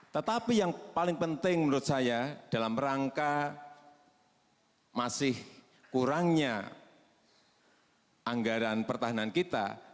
tetapi yang paling penting menurut saya dalam rangka masih kurangnya anggaran pertahanan kita